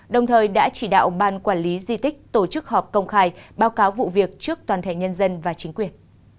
đồng thời đã chỉ đạo ban quản lý di tích tổ chức họp công khai báo cáo vụ việc trước toàn thể nhân dân và chính quyền